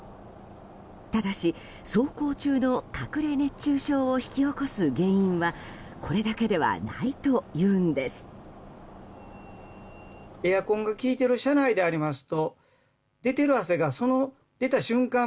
ただし、走行中の隠れ熱中症を引き起こす原因はこれだけではないというんです。